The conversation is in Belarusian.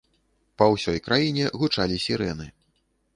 Па ўсёй краіне гучалі сірэны.